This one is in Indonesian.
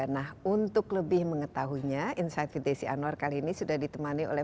nah untuk lebih mengetahunya insight vtc anwar kali ini sudah ditemani oleh